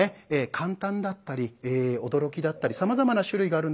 感嘆だったり驚きだったりさまざまな種類があるんですけれども。